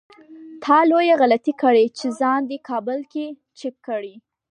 تا لويه غلطي کړې چې ځان دې کابل کې چک کړی.